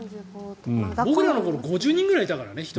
僕らの頃、１クラス５０人くらいいたからね。